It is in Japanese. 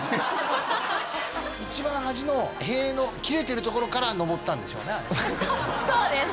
一番端の塀の切れてるところからのぼったんでしょうね